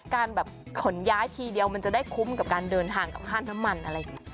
การแบบขนย้ายทีเดียวมันจะได้คุ้มกับการเดินทางกับค่าน้ำมันอะไรอย่างนี้